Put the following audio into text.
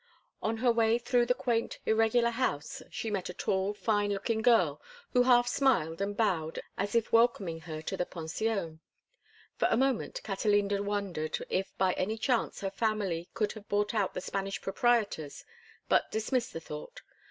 On her way through the quaint, irregular house she met a tall, fine looking girl, who half smiled and bowed as if welcoming her to the pension. For a moment Catalina wondered if by any chance her family could have bought out the Spanish proprietors, but dismissed the thought.